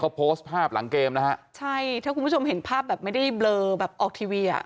เขาโพสต์ภาพหลังเกมนะฮะใช่ถ้าคุณผู้ชมเห็นภาพแบบไม่ได้เบลอแบบออกทีวีอ่ะ